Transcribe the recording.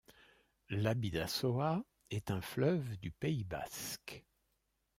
La Bidassoa est un fleuve du Pays basque.